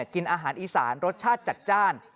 กินอาหารอีสานรสชาติจัดจ้าน